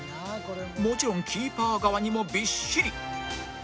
もちろんキーパー側にもびっしり！